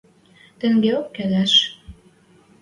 — Тенгеок келеш.